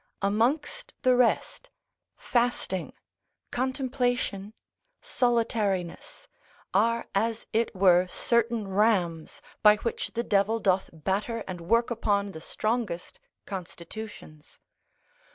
Amongst the rest, fasting, contemplation, solitariness, are as it were certain rams by which the devil doth batter and work upon the strongest constitutions.